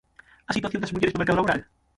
¿A situación das mulleres no mercado laboral?